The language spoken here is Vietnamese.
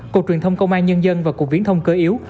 cục truyền thông công an nhân dân và cục viễn thông cơ yếu